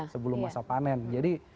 sebelum masa panen jadi